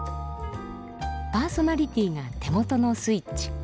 パーソナリティーが手元のスイッチ